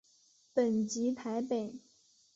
本籍台北。